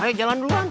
ayo jalan duluan